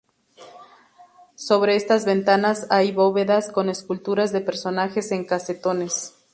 Sobre estas ventanas hay bóvedas con esculturas de personajes en casetones.